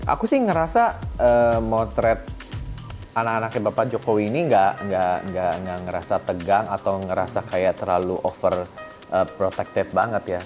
aku sih ngerasa motret anak anaknya bapak jokowi ini gak ngerasa tegang atau ngerasa kayak terlalu over protected banget ya